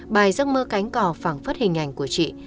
bài giấc mơ cánh cỏ phẳng phất hình ảnh của chị